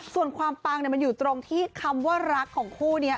ส่วนความปังมันอยู่ตรงที่คำว่ารักของคู่นี้